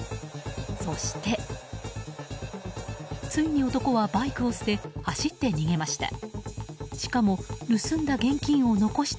そして、ついに男はバイクを捨て走って逃げました。